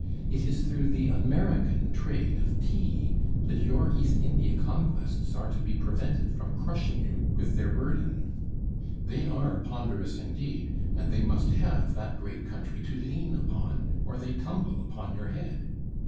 It is through the American trade of tea that your East India conquests are to be prevented from crushing you with their burden. They are ponderous indeed, and they must have that great country to lean upon, or they tumble upon your head.